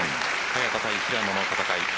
早田対平野の戦い